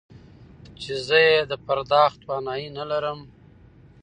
چې زه يې د پرداخت توانايي نه لرم.